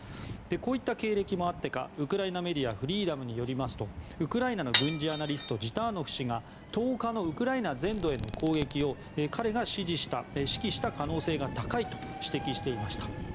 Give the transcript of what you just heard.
こういった経歴もあってかウクライナメディアのフリーダムによりますとウクライナの軍事アナリストジターノフ氏は１０日のウクライナ全土への攻撃を彼が指揮した可能性が高いと指摘していました。